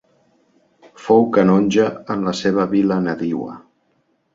Fou canonge en la seva vila nadiua.